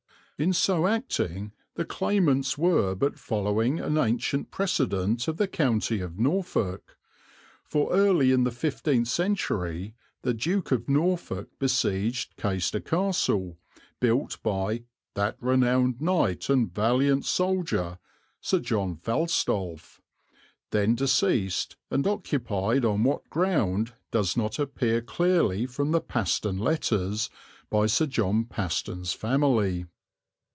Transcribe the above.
In so acting the claimants were but following an ancient precedent of the county of Norfolk, for, early in the fifteenth century, the Duke of Norfolk besieged Caister Castle, built by "that renowned knight and valiant soldier" Sir John Falstolf, then deceased, and occupied, on what ground does not appear clearly from the Paston Letters, by Sir John Paston's family.